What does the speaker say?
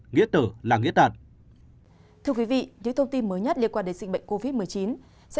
nghĩa tử là nghĩa tẩn thưa quý vị những thông tin mới nhất liên quan đến dịch bệnh covid một mươi chín sẽ